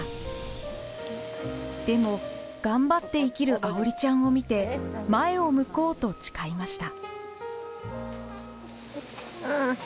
でもがんばって生きる愛織ちゃんを見て前を向こうと誓いました。